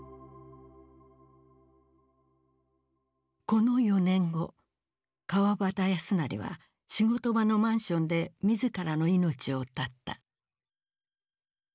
この４年後川端康成は仕事場のマンションで自らの命を絶った。